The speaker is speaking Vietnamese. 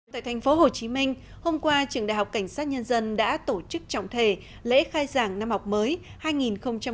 tại thành phố hồ chí minh hôm qua trường đại học cảnh sát nhân dân đã tổ chức trọng thề lễ khai giảng năm học mới hai nghìn một mươi sáu hai nghìn một mươi bảy